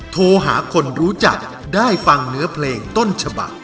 โทรหาคนรู้จักได้ฟังเนื้อเพลงต้นฉบัก